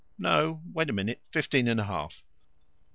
No, wait a minute. Fifteen and a half?."